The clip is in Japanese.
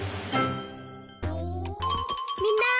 みんな！